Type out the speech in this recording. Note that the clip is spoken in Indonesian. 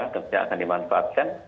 yang akan dimanfaatkan